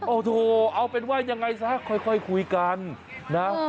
โอ้โหเอาเป็นว่ายังไงซะค่อยคุยกันนะ